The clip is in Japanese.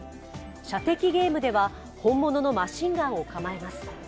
射的ゲームでは本物のマシンガンを構えます。